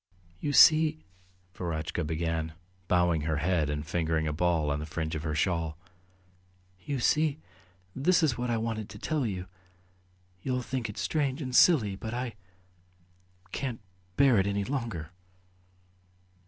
"You see ..." Verotchka began, bowing her head and fingering a ball on the fringe of her shawl. "You see ... this is what I wanted to tell you. ... You'll think it strange ... and silly, but I ... can't bear it any longer."